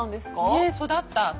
ねぇ育った。